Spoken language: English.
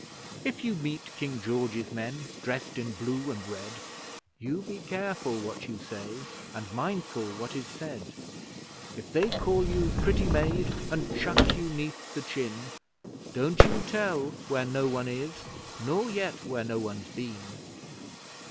If you meet King George's men, dressed in blue and red, You be careful what you say, and mindful what is said. If they call you 'pretty maid,' and chuck you 'neath the chin, Don't you tell where no one is, nor yet where no one's been!